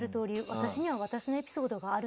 私には私のエピソードがある。